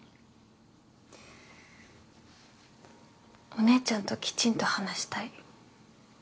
お姉ちゃんときちんと話したい。